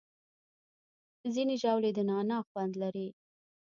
ځینې ژاولې د نعناع خوند لري.